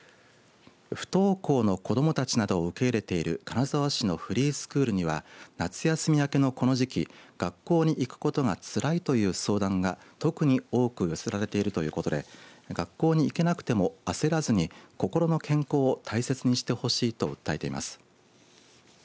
不登校の子どもたちなどを受け入れている金沢市のフリースクールには夏休み明けのこの時期学校に行くことがつらいという相談が特に多く寄せられているということで学校に行けなくても焦らずに心の健康を大切にしてほしいと訴えています。